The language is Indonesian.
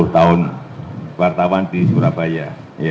empat puluh tahun wartawan di surabaya